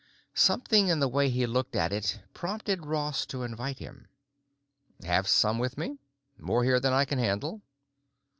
Something in the way he looked at it prompted Ross to invite him: "Have some with me? More here than I can handle."